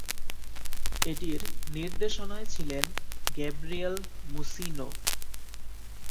এটির নির্দেশনায় ছিলেন গ্যাব্রিয়েল মুসিনো।